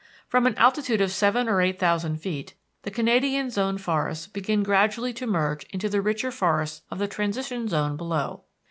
From an altitude of seven or eight thousand feet, the Canadian zone forests begin gradually to merge into the richer forests of the Transition zone below.